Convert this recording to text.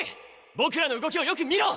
僕らの動きをよく見ろ！